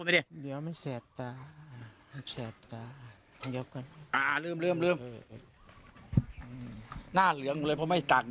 เดี๋ยวลืมตาลืมตาน่าเหลืองเลยเพราะไม่ตากแดด